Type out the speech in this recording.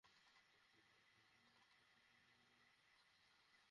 তাদের সরাসরি ইন্ধনে কয়েকটি ছোট শহরে শরণার্থীদের আবাসস্থল পোড়ানোর মতো ঘটনাও ঘটেছে।